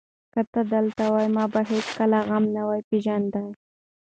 که ته دلته وای، ما به هېڅکله غم نه پېژانده.